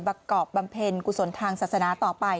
ประกอบบำเพ็ญกุศลทางศาสนาต่อไป